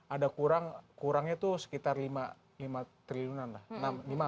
ada kurangnya itu sekitar rp lima triliunan lah